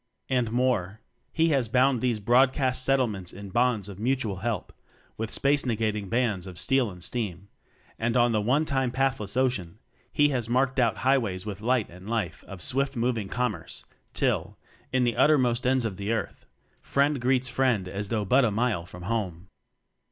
And more, he has bound these broadcast settlements in bonds of mu tual help with space negating bands of steel and steam; and on the one time pathless ocean he has marked out highways with light and life of swift moving commerce, till, in the utter most ends "of the earth, friend greets friend as though but a mile from home.